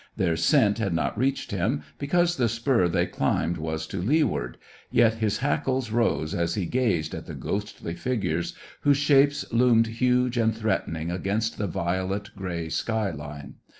Their scent had not reached him, because the spur they climbed was to leeward, yet his hackles rose as he gazed at the ghostly figures, whose shapes loomed huge and threatening against the violet grey sky line.